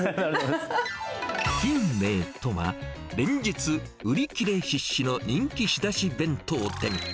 金兵衛とは、連日、売り切れ必至の人気仕出し弁当店。